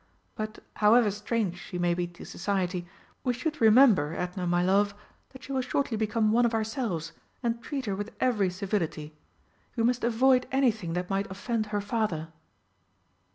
But, however strange she may be to society, we should remember, Edna, my love, that she will shortly become one of ourselves and treat her with every civility. We must avoid anything that might offend her Father."